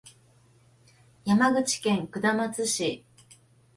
山口県下松市